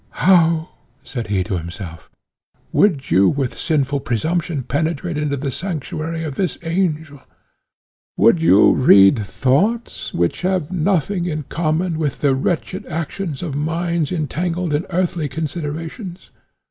"How!" said he to himself, "would you with sinful presumption penetrate into the sanctuary of this angel? Would you read thoughts, which have nothing in common with the wretched actions of minds entangled in earthly considerations?